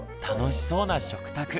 楽しそうな食卓。